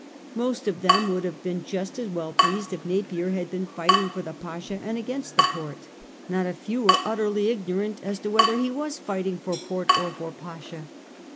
Most of them would have been just as well pleased if Napier had been fighting for the Pasha and against the Porte ; not a few were utterly ignorant as to whether he was fighting for Porte or for Pasha.